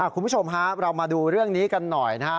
คุณผู้ชมฮะเรามาดูเรื่องนี้กันหน่อยนะฮะ